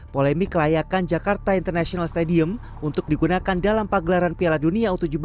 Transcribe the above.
polemik kelayakan jakarta international stadium untuk digunakan dalam pagelaran piala dunia u tujuh belas